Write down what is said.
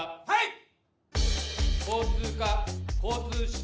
はい？